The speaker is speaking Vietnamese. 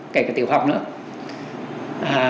kể cả tiểu học nữa